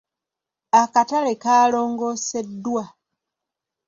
Akatale kaalongoseddwa.